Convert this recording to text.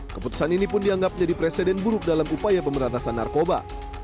keputusan ini pun dianggap menjadi presiden buruk dalam upaya pemberantasan narkoba